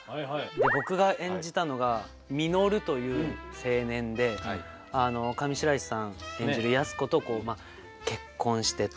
で僕が演じたのが稔という青年で上白石さん演じる安子とこうまあ結婚して。